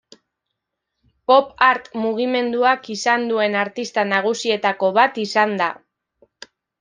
Pop Art mugimenduak izan duen artista nagusietako bat izan da.